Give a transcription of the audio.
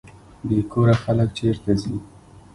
بې کوره خلک چیرته ځي؟